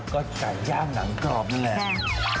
ก็ไก่ย่างหนังกรอบนั่นแหละ